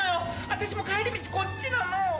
私も帰り道こっちなの！